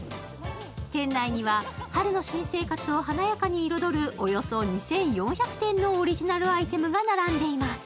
店内には春の新生活を華やかに彩るおよそ２４００点のオリジナルアイテムが並んでいます。